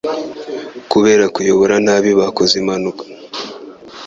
kubera kuyobora nabi bakoze impanuka